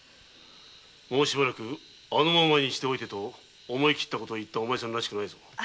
「もうしばらくあのままにしておいて」と思い切ったことを言ったお前さんらしくもないぞ。